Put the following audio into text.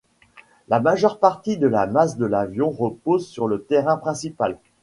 La majeure partie de la masse de l'avion repose sur le train principal.